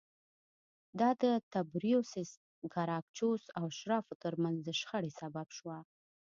دا د تبریوس ګراکچوس او اشرافو ترمنځ د شخړې سبب شوه